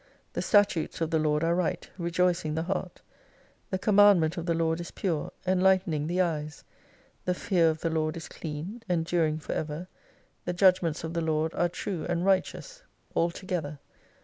The statutes of the Lord are right, rejoicing the heart ; the commandment of the Lord is pure, enlightening the eyes. The fear of the Lord is cleatt, enduring for ever ; the judgments of the Lord are true and righteous 217 altogether.